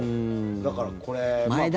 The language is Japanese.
だからこれ。